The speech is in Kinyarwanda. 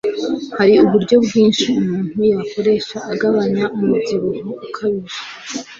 Hari uburyo bwinshi umuntu yakoresha agabanya umubyibuho ukabije